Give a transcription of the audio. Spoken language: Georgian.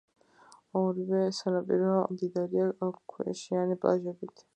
ორივე სანაპირო მდიდარია ქვიშიანი პლაჟებით.